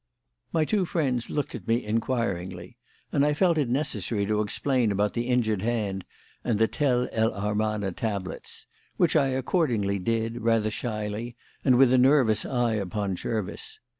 My two friends looked at me inquiringly, and I felt it necessary to explain about the injured hand and the Tell el Amarna tablets; which I accordingly did, rather shyly and with a nervous eye upon Jervis.